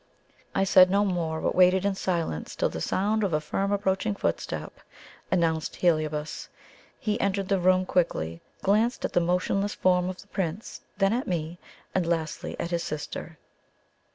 I said no more, but waited in silence till the sound of a firm approaching footstep announced Heliobas. He entered the room quickly glanced at the motionless form of the Prince, then at me, and lastly at his sister.